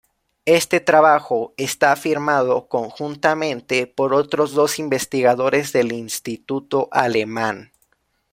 Este trabajo está firmado conjuntamente por otros dos investigadores del instituto alemán.